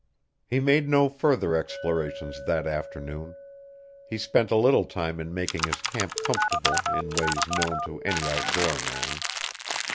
He made no further explorations that afternoon. He spent a little time in making his camp comfortable in ways known to any outdoor man.